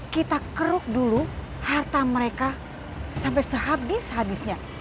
kita keruk dulu harta mereka sampai sehabis habisnya